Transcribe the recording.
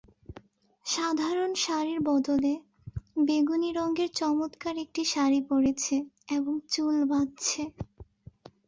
সাধারণ শাড়ি বদলে বেগুনি রঙের চমৎকার একটি শাড়ি পরেছে এবং চুল বাঁধছে।